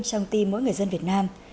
trong tim mỗi người dân việt nam